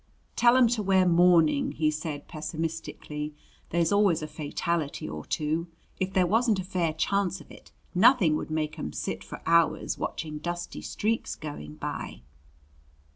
"Tell 'em to wear mourning," he said pessimistically. "There's always a fatality or two. If there wasn't a fair chance of it nothing would make 'em sit for hours watching dusty streaks going by."